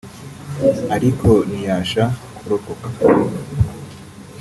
ariko ntiyaasha kurokoka